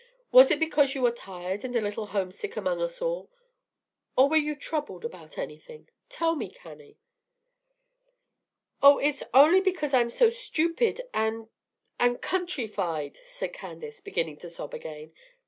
Was it because you are tired and a little homesick among us all, or were you troubled about anything? Tell me, Cannie." "Oh, it's only because I'm so stupid and and countrified," said Candace, beginning to sob again.